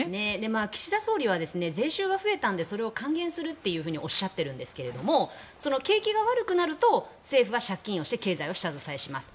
岸田総理は、税収が増えたのでそれを還元するとおっしゃってるんですが景気が悪くなると政府は借金をして経済を下支えしますと。